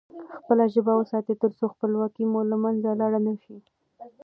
خپله ژبه وساتئ ترڅو خپلواکي مو له منځه لاړ نه سي.